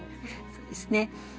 そうですね